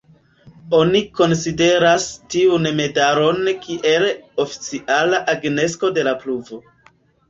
Oni konsideras tiun medalon kiel oficiala agnosko de la pruvo.